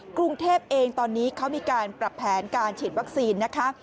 กรุงเทพเองตอนนี้เขามีการปรับแผนการฉีดวัคซีนนะคะ